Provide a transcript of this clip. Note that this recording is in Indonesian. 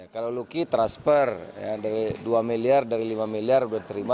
kalau lucky transfer dari dua miliar dari lima miliar sudah terima